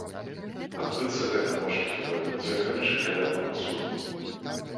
Адбыцца гэта можа, хіба, дзякуючы каляднаму цуду.